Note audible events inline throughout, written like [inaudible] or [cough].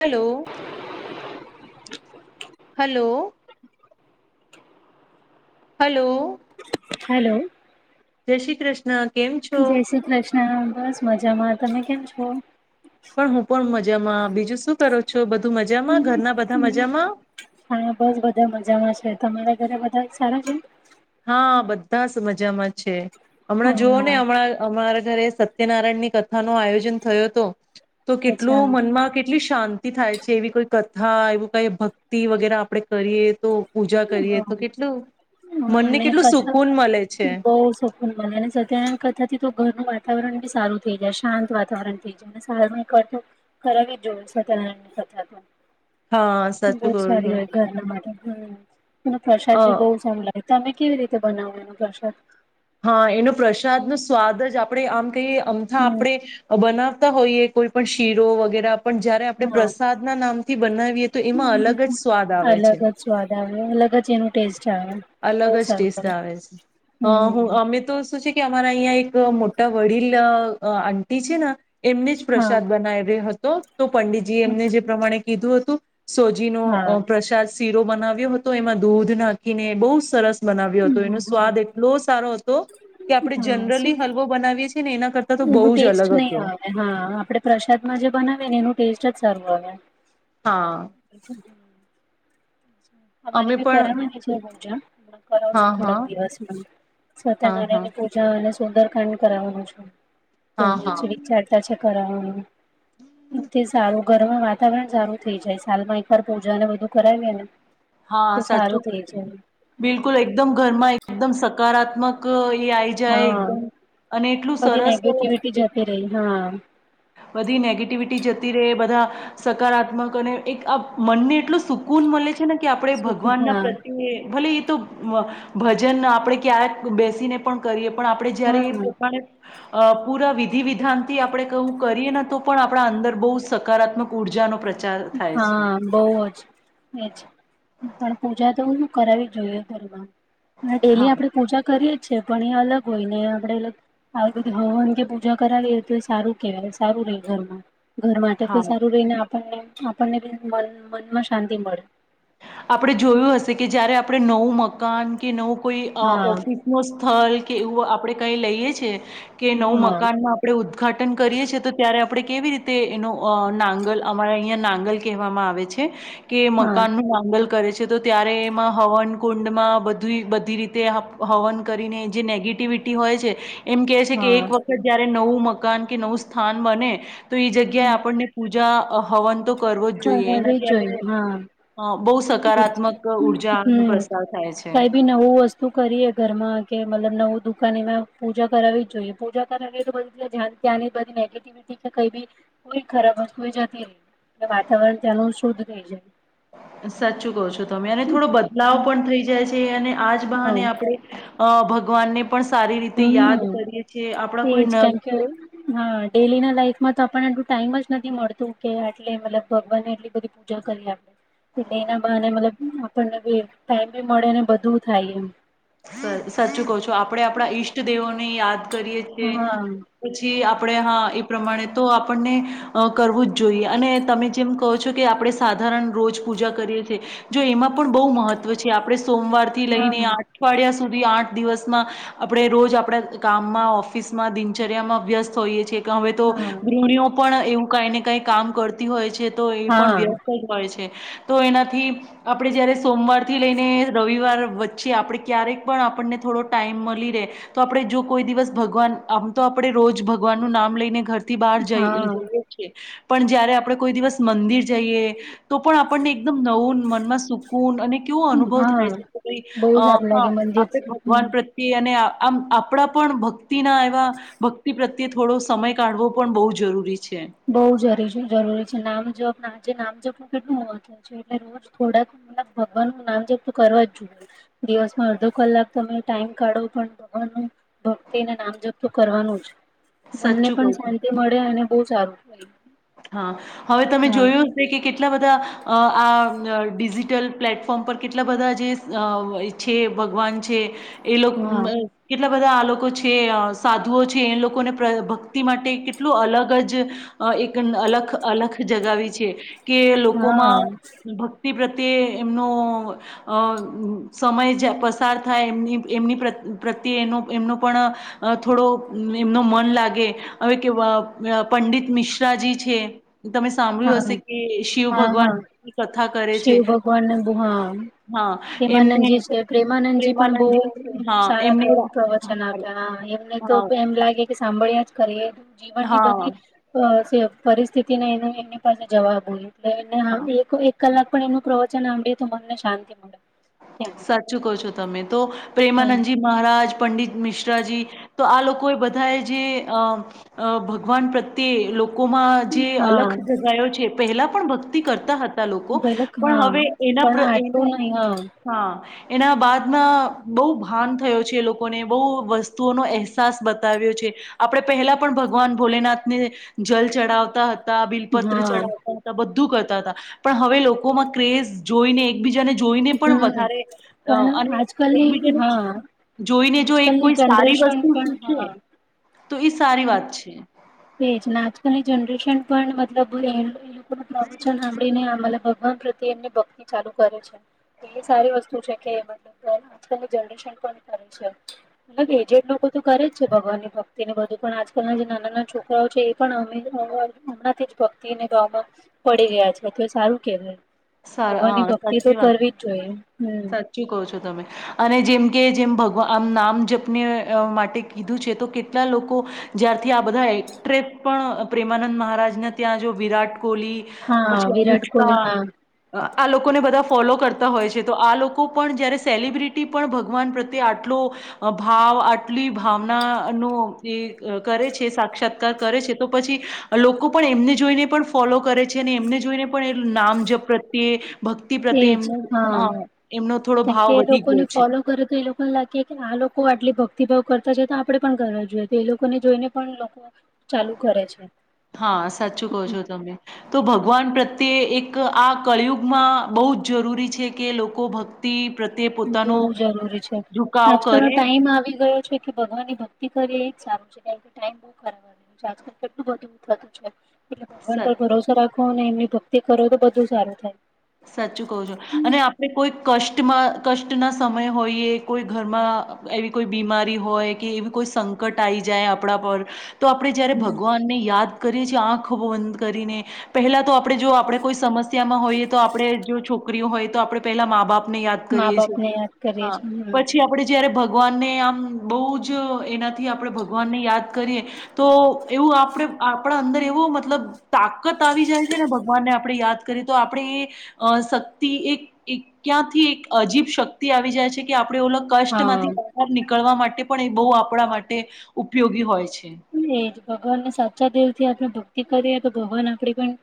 Hello. Hello. Hello. Hello. જય શ્રી કૃષણ. ના કેમ છો. હા બસ મજામાં તમે કેમ છો. પણ હું પણ મજા. જેમાં બીજું શું કરો છો. બધું મજામાં ઘરના બધા મજામાં હા બસ બધા મજામાં છે તમારા. બધા સારા છે. હા બધા જ મજામાં છે. હમણાં જોઓ હા ને હમણાં હમં. ઘરે સત્યનારાયણ ની કથા નો આયોજન થયો હતો. તો અચ્છા કેટલું મનમાં કેટલી. શાંતિ થાય છે એવી કોઈ કથા એવું કઈ ભક્તિ વગેરે આપડણે કરીએ તો. પૂજા કરીએ તો કેટલું. હ મનને અને કેટલું કથા સુકૂન મળે છે બહ સકૂન બને અને સત્યણ કથા થી તો ઘરનું વા. વાતાવરણ બી સારું થઈ જાય શાંત વાતાવરણ થઈ જાય અને સારામાં એક વા કરાવી જ જોએ સાતાવણ ની કથા તો. હા સાચું બહ કરું સારી છું હોય ઘરના માટે હમ. મને અ પ્રસાદબી બઉ સારો લાગે તમે કેવી રીતે બનાવો એનો પ્રસાદ હા એનો પ્રસાદ નો સ્વાદ જ આપણે આમ કયે અમથા હમ આપડે બનાવ બનાવતા હોઈયએ કોઈ પણ શીરો વગેરા પણ જયારે આપણે હા પ્રસાદ ના નામ થી બનાય અલગ જ સ્વાદ આવ્યો અલગ જ એનું ટેસ્ટ આવે. બહુ અલગ જ ટેસ્ટ સારું આવે છે. હમમ હું હમ અમે તો શું છે કે અમારા અહિયાં એક મોટા વડીલ અ આંટી છે ને એમને જ હા પ્રસાદ બનાવ્યો હત- તો તો પંડિતજી એમને જે પ્રમાણે કીધું હતું. સોજીનો હા અ પ્રસાદ શીરો બનાવ્યો હતો એમાં દૂધ નાખીને બોસ સરસ બનાવ્યો હતો એનો હા સ્વાદ એટલો સારો હતો કે આપણે હા શું જનરલી હલવો બનાવીએ છે ને એના કરતા તો બો એનું જ ટેસ્ટ અલગ નહી હતો. આવે હા આપડે પ્રસાદમાં જે બનાવીએ ને એનું ટેસ્ટ જ સારુ આવે. હા અચ્છા હમમ. અમારે અમે બી પણ કરવાની છે પૂજા અમના કરાવસુ હા હા થોડાક દિવસમાં હા સત્યનારાયણ હા ની પૂજા અને સુંદરકાંડ કરાવવાનું છે. તો હા એ જ હા વિચારતા છે. કરાવા ને તે સારું ઘરમાં વાતાવરણ સારું થઈ જાય સાલમાં એકવાર પૂજાને એ બધું કરાવીએ ને હા તો સારું સાચું કઉ થઈ છું. જાય. બિલકુલ એકદમ ઘરમાં એકદમ સકારાત મકઈ એ આયી જાય હા એકદમ અને એટલું બધી સરસ અ નેગેટિવિટી જતી રહી હા બધી નેગેટિવિટી જતી રેહ બધા સકારાત્મક અને એક આ મનને એટલો સુકૂન મળે છે. ને કે આપણે સુખ ભગવાન ના હા પ્રત્યે ભલે તો ભજન આપણે ક્યાક બેસીને પણ કરીએ. પણ આપડે જયારે એ હા પોપાણે અ પૂરા વિધિ વિધાનથી આપણે કું કરીએ ને તો પણ આપણા અંદર બો સકારાત્મક ઉર્જાનો પત હા બહ જ એજ પણ પૂજા તો હું કરાવવી જોઈયું ઘરમા ડેલી હા આપડે પૂજા કરીએે છે પણ એ અલગ હોય ને આપણેે આવીતે હવાવાન કે પૂજા કરાવીએ તો એ સારું કેવાય સારું રે ઘરમાં ઘર માટે હા. તોઈ સારું રહીને આપ અને આપણને બ મનમાં શાંતિ મળે, આપણે જોયું હશે કે જયારે આપણે નવું મકાન કે નવું કોઈ હા ઓફિસ નો સ્થલ કે એવું આપડે કઈ લઈએ છે કે નવું હા મકાન ન આપણે ઉદઘાટન કરીએ છીએ તો ત્યારે યપ આપણે કેવી રીતે એનો ય નાંગલ અમારા અહીંયા નાંગલ કહેવામાં આવે છે કે કે હા મકાન નું કરે છે તો ત્યારે એમાં હવન કુંડમાં બ બધી રીતે હવન કરીને જે નેગેટિવિટી હોય છે એમ કેહે છે કે હા એક વખત જયારે નવું મ મકાન કે નવું સ્થાન બને તો એ જગ્યાએ આપણને પૂજા અ હોવન તો કરવો જ જોઈએ કરાવવી એનાથી જોઈએ આપણે હા બહુ સકારાત્મક ઉર્જાનો હમ પ્રસાર થાય છે. કઈ બી નવું વસ્તુ કરીયે ઘરમાં કે મતલબ નવું દુખ એમાં પૂજા કરાવવી જ જોઈએ પૂજા કરાવી તો બધ ત ત્યાંની બધી નેગેટિવિટી કેઈ બી કોઈ ખરાબ વસ્તુ જતી ર વાતાવરણ ત્યાંનું શુદ્ધ થઈ જાય સાચું કહો છો તમે અને થોડો બદલાવ પણ થઈ જાય છે તે એ અને આજ બહાને હા આપણે ભ ભગવાને હમ આપણા કોઈ ન એજકય હા ડેલી ના લઈકે, માં તો આપણને એટલું ટાઈમ જ નથી મળતું કે આટલે મતલબ ભગવાનને એટલી બધી પૂજા કરી આપે એટલે એના બહાને મતલબ આપણનેી ટાઈમ બી મળે ને બધું થાય એમ સાચું કહ છો, આપડે આપણા ઈષ્ટદેવોની યાદ કરીએ છે હા પછી આપ આપણે હા એ પ્રમાણે તો આપણને કરવું જ જોઈ અને તમે જેમ કો છો કે આપણે સાધારણ રોજ પૂજા કરીએ છીએ જો એમાં પણ બહુ મહત્વ છે આપણે સોમવાર થી લઈને હા આ અઠવાડિયા સુધી આઠ દિવસમાં આપણે રોજ આપડા કામમાં ઓફિસમાં દિનચર્યામાં વ્યસ્ત હોઈએ છીએ. હવે તો હા ગૃહણીઓ પણ એવું કઈ ને કઈક. કામ કરતી હોય છે. તો એ પણ હા વ્યસ્ત જ હોય છે. તો એનાથી આપણે જયારે સોમવાર થી લઈને રવિવાર વચ્ચે આપણે. ક્યારેક પણ આપણને થોડો ટાઈમ મળી રહે તો આપણે જો કોઈ દિવસ ભગવાન આમ તો આપણે રોજ ભગવાનનું નામ લઈને ઘર. થી બહાર જઈ જઈએ હા છે. પણ જયારે આપણે કોઈ દિવસ મંદિર જઈએ. તો પણ આપણને એકદમ નવુંન મનમાં સુકૂન અને કેવો અનુભવ થાય હા છે કે, બહુ સારું ભાઈ. લાગે મંદિર આપડે હમ ભગવાન પ્રત્યે. અને આમ આપણા પણ. તિ ના એવા ભક્તિ પ્ર્ય. થોડો સમય કાઢવો પણ બહુ જરૂરી છે. બઉ જરી છે જરૂરી છે નામ જવાબ ના. જે નામ જપું કેટલું મહત્વ છે એટલે રોજ થોડાક મબ ભગવાન નું નામ જપ કરવા જ જોઈએ દિવસમાં અડધો કલાક તમે ટાઈમ કાઢો પણ ભગવાન ભક્તિને નામ જપત કરવાનું જ. બંને સાચું પણ કહું છું. શાંતિ મળે અને. બહ સારું. હમ. હા હવે તમે જોયું હશે કે, કેટલા બધા. અ આ ડિજિટલ પ્લેટફોર્મ પર કેટલા બધા જે છે ભગવાન છે. એ હા લોકો કેટલા. બધા આ લોકો છે સાધુઓ છે એ લોકોને ભક્તિ માટે કેટલું અલગ જ. અલગ અલગ જગાવી છે. કે હા લોકોમાં હા ભક્તિ પ્રત. પ્રત્યે એમનો સમય પસાર થાય એ એમની પ્રત્યે એમનો પણ થોડો એમનો મન લાગે હવે કે, પંડિત મિશ્ર. રાજજી છે. હા કે શિવ હા હા ભગવાનની કથા કરે શિવ છે. ભગવાનને બ હા હા, એમને પ્રેમાનંદજી છે પ્રેમાનંદજી પણ પ્રેમાનંદજી છે. બહ હા, એમને સારા રા પ્રવચન હા, આપ્યા એમને તો હા, એમ લાગે. સાંભળ્યા જ કરીએ. જીવનની હા. બધી પરિસ્થિતિ. ની પાસે જવાબ હોય. હા. એટ એક કલાક. પ્રવચન અે તને શાંતિ મળ. સાચું કહો છો તમે તો પ્રેમાનંદજી મહારાજ. પંડિત મિશ્રાજી, તો આ લોકો એ બધાએ જે અમ-અ ભગવાન પ્રત્યે લો [unintelligible] કોમાં જે હા અલખ જગાયો છે પહેલા પણ ભક્તિ કરતા હ લોકો પેલું પણ હા હવે પણ એના-પ્ર-એનુ આટલું નહી હા હ. એના બાદમાં બહુ ભાન થયો છે એ લોકોને બહુ વસ્તુઓનો અહેસાસ બતાવ્યો છે, આપણે પહેલા પણ ભગવાન ભોલેનાથને, જલ ચડાવતા હ તા બિલપત્ર હા ચડાવતા હતા બ તુ કરતા હતા, પણ હવે લોકોમાં ક્રેઝ જોઈને એકબીજાને જો પણ હમ વધારે અ અને પણ આજકાલની એકબીજાને જો હા જોઈને જો એક આજકાલની કોઈ સારી જનરેશન વસ્તુ પણ હા શીખે, તો એ સારી વાત છે. તે જ ને આજકાલની જનરેશન પણ મતલબ એ પ્રવચન સાંભળીને મતલબ ભગવાન પ્રત્યે એમની ભક્તિ ચાલુ કરે છે એ સારી વસ્તુ છે કે મતલબ આજકાલની જનરેશન પણ કરે છે મલબ એજેડ લોકો તો કરે જ છે ભગવાન ની ભક્તિ ને બધું પણ આજકાલના જે નાનાના છોકરા એ પણ અમે હમણાંથી ભક્તિને ભાવમાં પડી રહ્યા છે તો એ સારું કેહેવાય સાર હા ભગવાનની ભક્તિ તો સાચી વાત કરવી જ જોઈએ હમ સાચું કહો છો તમે અને જેમ કે જેમ ભગવાન આમ નામ જપને માટે કીધું છે તો કેટલા લોકો જ્યારથી આ બધા એટ્રે પણ પ્રેમાનંદ મહારાજને ત્યાં જો વિરાટ કોલી હા પછી વિરાટ અનુષ્કા કોહલી હા આ લોકોને બધા ફોલો કરતા હોય છે, તો આ લોકો પણ જયારે સેલિબ્રિટી પણ ભગવાન પ્રત્યે આટલો ભાવ આટલી ભાવનાનો એ કરે છે સાક્ષાત્કાર કરે છે, તો પછી લોકો પણ એમને જોઈને પણ ફોલો કરે છે, અને એમને જોઈને પણ એ નામ જપ પ્રતિ એજ હા એમનો થોડો ભાવ કેમકે એ વધી લોકોને ગયો છે. ફોલો કરે તો એ લોકોને લાગે કે આ લોકો આટલી ભક્ પ્રતિભાવ કરતા છે તો આપણેે પણ કરવા જોઈએ તો એ લોકોને જોઈને પણ લોકો. ચાલુ કરે છે. હા સાચું કહો છો તમે, તો ભગવાન પ્રત્યે એ એક આ કળિયુગમાં બહુ જ જરૂરી છે કે લોકો ભક્તિ પ્રત્યે પોતાનો બહ જરૂરી છે, ઝુકાવ આજકાલનો કરે. ટાઈમ આવી ગયો છે કે ભગવાન ની ભક્તિ કરીએ એ જ સારું. ટાઈમ બો ખરાબ આવી ગ્યો છે આજકાલ કેટલું બધું થતું છે. ભગવાન સ પર ભરોસો રાખ કો ને એમની ભક્તિ કરો તો બધું સારું થાય. સાચું કઉ છો અને આપડે કોઈ કષ્ટમાં કષ્ટના સમય હોઈએ કોઈ ઘરમાં એવી કોઈ બીમારી હોય કે એવી કોઈ સંકટ આવી જાય આપણા પર. તો આપણે જ્યારે હમ, ભગવાનને યાદ કરીએ આખ બંધ કરીને, પહેલા તો આપ આપણે જો આપણે કોઈ સમસ્યામાં હોઈએ. તો આપણે જો છોકરીઓ હોય તો આપણે પેલા મા બાપ આપ યાદ મા કરીએ બાપ છી ને યાદ કરીએ હા છીએ પછી હમ આપડે જયારે ભ ભગવાનને આમ બહુ જ એનાથી આપણે ભગવાનને યાદ કરીએ, તો એવું આપણે આપણા અંદર એવો મતલબ તાકત આવી જાય છે ને ભગવાનને આપણે યાદ કરીએ તો આપણે એ અ શક્તિ એક ક્યાંથી એક અજીબ શક્તિ આવી જાય છે કે આપ આપણે ઓ કષ્ટ હા. માંથી બહાર નીકળવા માટે માટે પણ એ બહુ આપણા માટે, ઉપયોગી હોય છે. હમ. ભગવાનને સાચા દેવ થી આપણે ભક્તિ કરીએ તો ભગવાન આપડી પણ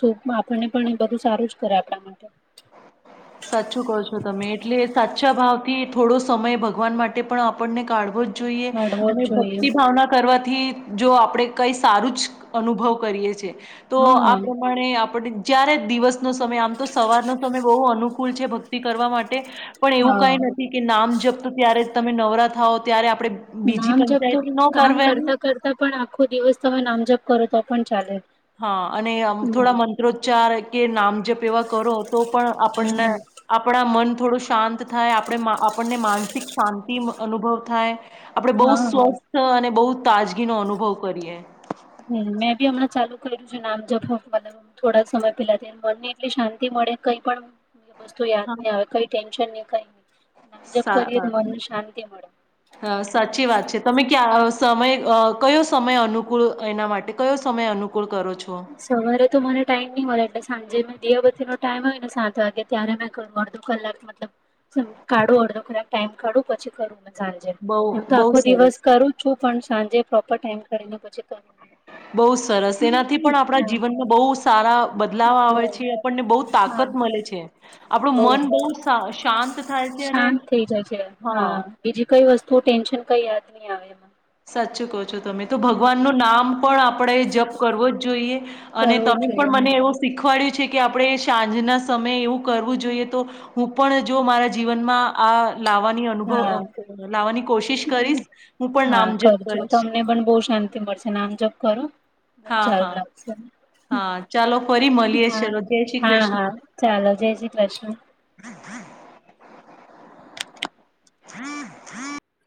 શ આપણને પણ બધું સારું જ કરે આપણા માટે. સાચું થી થોડો સમય ભગવાન માટે પણ આપણને કાઢવો જ જોઈએ, મેળવો જ અને જોઈએ ભક્તિ ભાવના કરવાથી જો આપણે કઈ સારું જ અનુભવ કરીએ છ છેએ. તો આ હા પ્રમાણે આપણે જ્યારે દિવસનો સમય આમ તો સવારનો તિ કરવા માટે. પણ એવું હા કઈ નથી કે નામ જપ્ત ત્યારે તમે નવરા થાઓ. ત્યારે આપ નામજપ તો કામ કરતા કરતા પણ આખો દિવસ તમે નામજપ કરો તો પણ ચાલે. હા અને થોડા હમ મંત્રોચ્ચાર કે નામજપ એવા કરો તો પણ આપણને હમ આપણા મન થોડો શાંત થાય આપણે આપણને માનસ શાંતિ અનુભવ થાય. આપણેે બહુ હા સ્વસ્થ અને બહુ તાજગી નો અનુભવ કરીએ. મેં બી હમણાં ચાલુ નામ જપ થોડા સમય પેલા મનને એટલી શાંતિ મળે કઈ પણ બસ્તુ યાદ હા ની આવે કઈ ટેન્શન નહીં. કઈ ની. હા સાચી વાત છે તમે ક્યાં સમય કયો સમય અનુકૂળ એના માટે કયો સમય અનુકૂળ કરો છો સવારે તો મને ટાઈમ નહી હોય એટલે સાંજે મે દીયાબધી નો ટાઈમ હોય ને સાત વાગે ત્યારે મેં કરું અડધો કલાક મતલબ કાઢું અડધો કલાક ટાઈમ કાઢું પછી કરું, સાંજેમ બહુ તો બહુ આખો દિવસ સરસ કરું છું પણ સાંજે પ્રોપર ટાઈમ કરીને, ચિકન બહુ સરસ તેનાથી પણ આપણા હા જીવનમાં બહુ સારા બલાવ બો આવે છે આપને બ હા તાકાત મળે છે આપણું બો મન બહ શાંત થાય છે અને શાંત હા તું ટેન્શન કઈ યાદ નહી આવે એમાં સાચી કો તમે તો ભગવાન હમ નું નામ પણ આપ. આપણેએ જપ કરવો જ જોઈએ અને કરવું જ તમે જોઈએ પણ હા મને એવું શીખવાડ્યું. કે આપણેે સાંજના સમયે એવું કરવું જોઈએ તો હું પણ જો મારા જીવનમાં આ લાવવાની અનુભવ લાવવાની કોશિશ કરીશ હા હું. પણ હા નામજપ કરજો કરીશ તમને પણ બ શાંતિ મળશે આમજબ કરો. બઉુ હા હા સારું લાગશે. હા ચાલો ફરી મળીએ હા ચલો. જય શ્રી હા કૃષ્ણ. હા ચાલો જય શ્રી કૃષ્ણ. [inaudible]